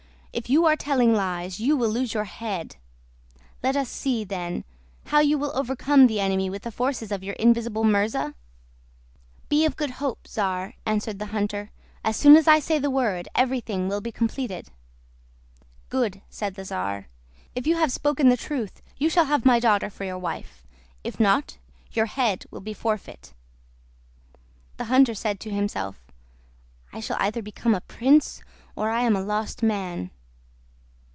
If you are telling lies, you will lose your head. Let us see, then, how you will overcome the enemy with the forces of your invisible Murza?" "Be of good hope, czar," answered the hunter; "as soon as I say the word, everything will be completed." "Good," said the czar. "If you have spoken the truth you shall have my daughter for your wife; if not, your head will be the forfeit." The hunter said to himself, "I shall either become a prince, or I am a lost man."